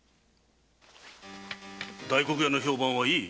大黒屋の評判はいい？